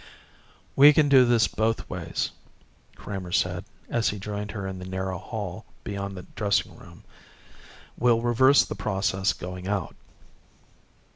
"We do this both ways," Kramer said as he joined her in the narrow hall beyond the dressing room. "We'll reverse the process going out."